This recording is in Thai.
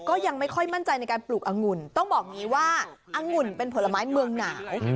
ก็ยังไม่ค่อยมั่นใจในการปลูกอังุ่นต้องบอกอย่างนี้ว่าอังุ่นเป็นผลไม้เมืองหนาว